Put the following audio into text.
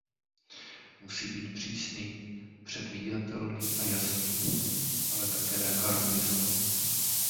Musí být přísný, předvídatelný a jasný, ale také harmonizovaný.